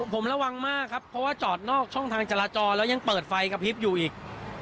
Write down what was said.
ผมระวังมากครับเพราะว่าจอดนอกช่องทางจราจรแล้วยังเปิดไฟกระพริบอยู่อีก